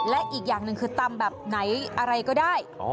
และอีกอย่างหนึ่งคือตำแบบไหนอะไรก็ได้